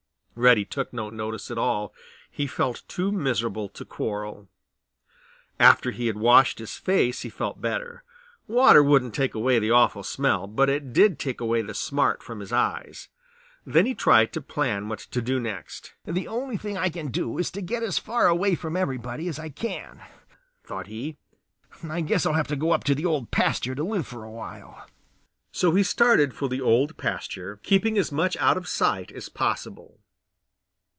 Reddy took no notice at all. He felt too miserable to quarrel. After he had washed his face he felt better. Water wouldn't take away the awful smell, but it did take away the smart from his eyes. Then he tried to plan what to do next. "The only thing I can do is to get as far away from everybody as I can," thought he. "I guess I'll have to go up to the Old Pasture to live for a while." So he started for the Old Pasture, keeping as much out of sight as possible.